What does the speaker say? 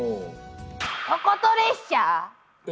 ことこと列車⁉え？